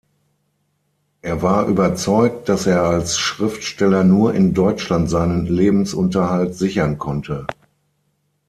Er war überzeugt, dass er als Schriftsteller nur in Deutschland seinen Lebensunterhalt sichern konnte.